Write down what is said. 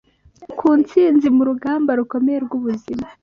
ku ntsinzi mu rugamba rukomeye rw’ubuzima.